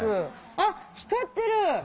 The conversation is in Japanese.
あっ光ってる！